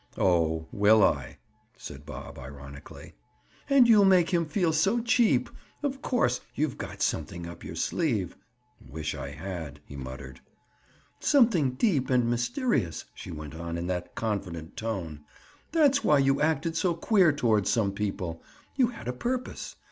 "Oh, will I?" said Bob ironically. "And you'll make him feel so cheap! Of course, you've got something up your sleeve—" "Wish I had," he muttered. "Something deep and mysterious," she went on in that confident tone. "That's why you acted so queer toward some people. You had a purpose.